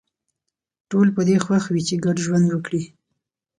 ټول په دې خوښ وي چې ګډ ژوند وکړي